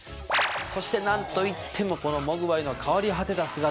そして何といってもこのモグワイの変わり果てた姿。